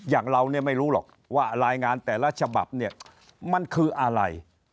อย่างเราไม่รู้หรอกว่ารายงานแต่ละฉบับมันคืออะไร